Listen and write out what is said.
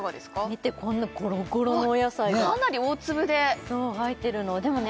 見てこんなゴロゴロのお野菜がかなり大粒でそう入ってるのでもね